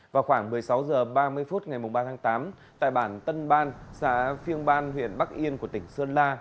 vào khoảng một mươi sáu h ba mươi phút ngày ba tháng tám tại bản tân ban xã phiêng ban huyện bắc yên của tỉnh sơn la